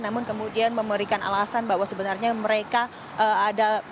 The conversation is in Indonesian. namun kemudian memberikan alasan bahwa sebenarnya mereka ada